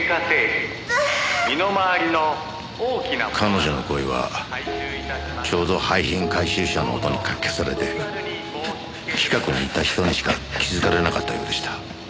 彼女の声はちょうど廃品回収車の音にかき消されて近くにいた人にしか気づかれなかったようでした。